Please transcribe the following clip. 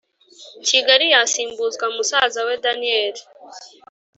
Kigali yasimbuzwa musaza we daniel